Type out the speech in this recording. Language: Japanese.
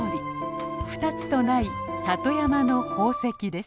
二つとない里山の宝石です。